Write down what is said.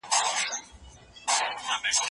پارلمان د خلګو د استازو ځای و.